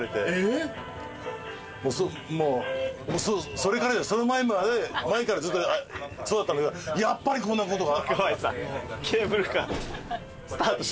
もうその前まで前からずっとそうだったのがやっぱりこんなことが。